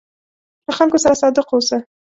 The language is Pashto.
له خلکو سره صادق اوسه.